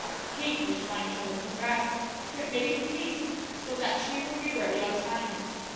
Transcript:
Kate was trying to look her best, yet making haste, so that she would be ready on time.